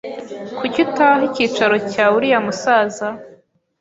Kuki utaha icyicaro cyawe uriya musaza?